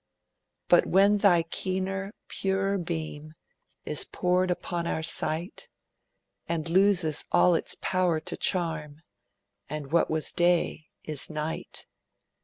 'But when Thy keener, purer beam Is poured upon our sight, It loses all its power to charm, And what was day is night